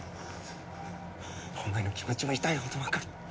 お前の気持ちは痛いほどわかる。